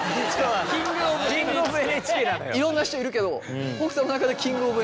いろんな人いるけど北斗の中でキング・オブ・ＮＨＫ？